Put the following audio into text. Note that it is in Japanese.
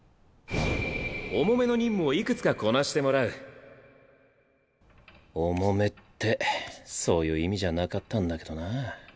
重めの任務をいくつかこなしてもらう重めってそういう意味じゃなかったんだけどなぁ。